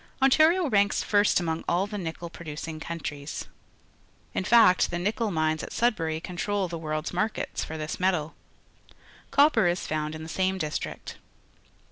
Ontario ranks first among all the nickel producing countries. In fact, the nickel 84 PUBLIC SCHOOL GEOGRAPHY mines at ^dbury control the world's mar kets for this metal. Copper is found in the same district.